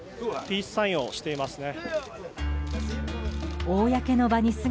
ピースサインをしています。